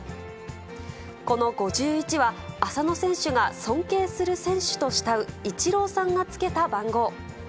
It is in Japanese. この５１は、浅野選手が尊敬する選手と慕うイチローさんがつけた番号。